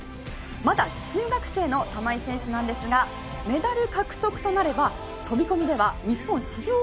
まだ中学生の玉井選手なんですがメダル獲得となれば飛込では日本史上初の快挙です。